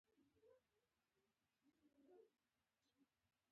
دلته مې خپل او د ماشومانو راتلونکی ډېر تیاره دی